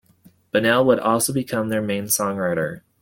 Bunnell would also become their main songwriter.